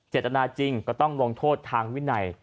เจตนาจริงก็ต้องลงโทษทางวินัย